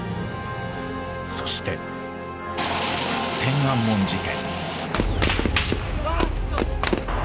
そして「天安門事件」。